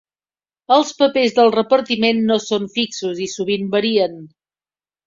Els papers del repartiment no són fixos i sovint varien.